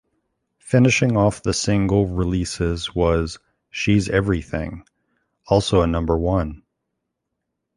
Finishing off the single releases was "She's Everything", also a Number One.